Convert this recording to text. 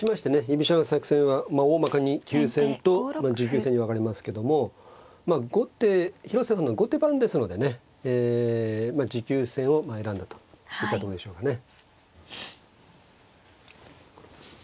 居飛車の作戦はおおまかに急戦と持久戦に分かれますけども後手広瀬さんの後手番ですのでねえまあ持久戦を選んだといったとこでしょうかね。